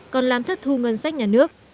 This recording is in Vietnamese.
còn làm thất thu ngân sách nhà nước